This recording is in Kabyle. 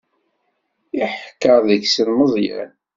Iḥekker deg-sen Meẓyan.